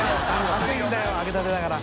熱いんだよ揚げたてだから。